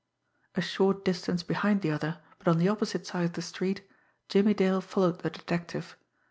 A short distance behind the other, but on the opposite side of the street, Jimmie Dale followed the detective.